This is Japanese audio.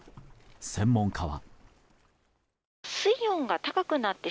専門家は。